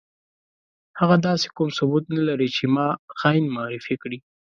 هغه داسې کوم ثبوت نه لري چې ما خاين معرفي کړي.